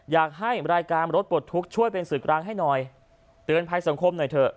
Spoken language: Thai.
อยากให้รายการรถปลดทุกข์ช่วยเป็นสื่อกลางให้หน่อยเตือนภัยสังคมหน่อยเถอะ